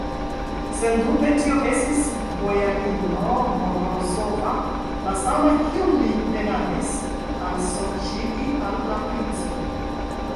Sendube, tio estis bojarino Morozova, la sama, kiun li penadis alsorĉigi al la princo.